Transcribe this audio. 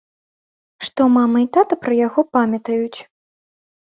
Што мама і тата пра яго памятаюць.